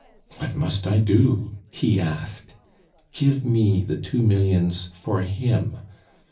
'What must I do?' he asked. 'Give me the two millions for him.